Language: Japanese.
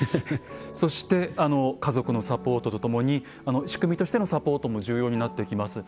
そして家族のサポートとともに仕組みとしてのサポートも重要になってきます。